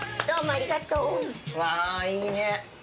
うわいいね。